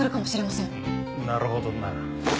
うんなるほどな。